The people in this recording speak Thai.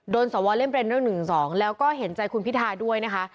สวเล่นเป็นเรื่อง๑๒แล้วก็เห็นใจคุณพิทาด้วยนะคะ